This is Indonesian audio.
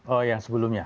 oh yang sebelumnya